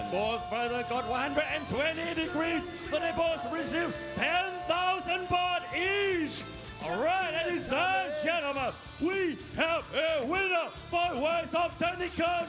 ทุกคนได้รับ๑๒๐เดกรีสและทุกคนได้รับ๑๐๐๐๐บาททุกคน